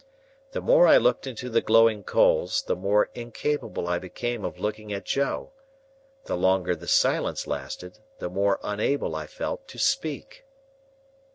The more I looked into the glowing coals, the more incapable I became of looking at Joe; the longer the silence lasted, the more unable I felt to speak.